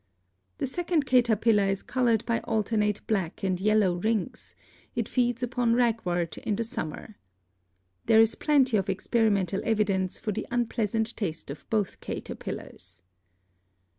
The second caterpillar is colored by alternate black and yellow rings; it feeds upon ragwort in the summer. There is plenty of experi mental evidence for the unpleasant taste of both cater pillars.